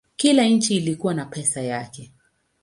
Kila nchi ilikuwa na pesa yake.